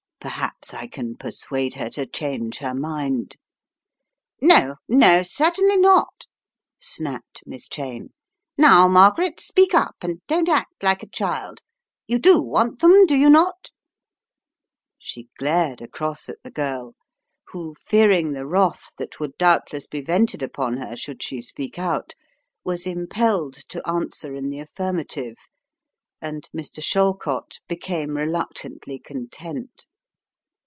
"Perhaps I can persuade her to change her mind." "No, no, certainly not," snapped Miss Cheyne. "Now, Margaret, speak up, and don't act like a child. "You do want them, do you not?" She glared across at the girl, who, fearing the wrath that would doubtless be vented upon her should she speak out, was impelled to answer in the affirma tive and Mr. Shallcott became reluctantly content.